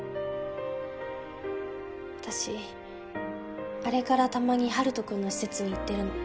私あれからたまに陽斗君の施設に行ってるの。